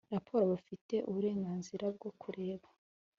raporo Bafite uburenganzira bwo kureba